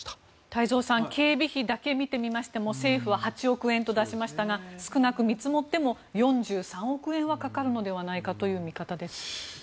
太蔵さん警備費だけ見てみましても政府は８億円と出しましたが少なく見積もっても４３億円はかかるのではないかという見方です。